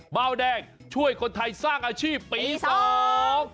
เบาแดงช่วยคนไทยสร้างอาชีพปีสอง